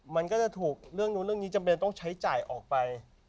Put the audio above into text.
มันก็จะถูกเรื่องนู้นเรื่องนี้จำเป็นต้องใช้จ่ายออกไป